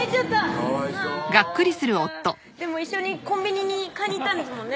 かわいそうそっかでも一緒にコンビニに買いに行ったんですもんね